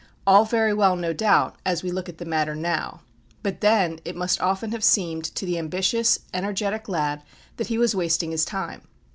All very well, no doubt, as we look at the matter now. But then it must often have seemed to the ambitious, energetic lad, that he was wasting his time.